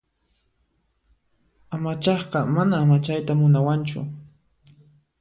Amachaqqa mana amachayta munawanchu.